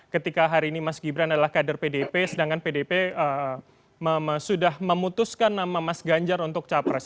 ketika hari ini mas gibran adalah kader pdp sedangkan pdp sudah memutuskan nama mas ganjar untuk capres